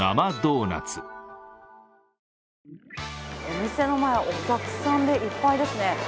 お店の前、お客さんでいっぱいですね。